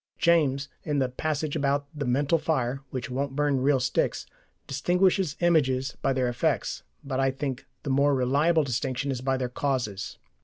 James, in the passage about the mental fire which won't burn real sticks, distinguishes images by their effects, but I think the more reliable distinction is by their causes.